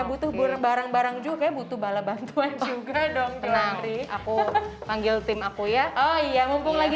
butuh barang barang juga butuh bala bantuan juga dong penari aku panggil tim aku ya oh iya mumpung lagi